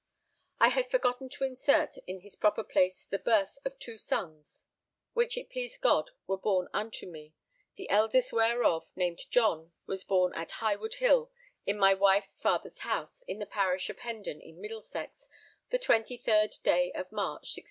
I had forgotten to insert in his proper place the birth of two sons, which it pleased God were born unto me, the eldest whereof named John was born at Highwood Hill, in my wife's father's house, in the Parish of Hendon in Middlesex, the 23rd day of March, 1600.